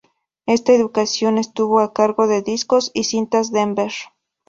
Esta edición estuvo a cargo de Discos y Cintas Denver.